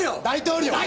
大統領！